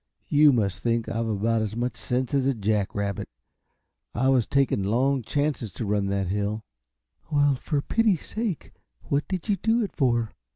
"You must think I've about as much sense as a jack rabbit; I was taking long chances to run that hill." "Well, for pity's sake, what did you do it for?"